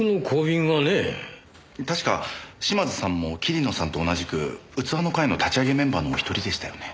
確か島津さんも桐野さんと同じく器の会の立ち上げメンバーのお一人でしたよね？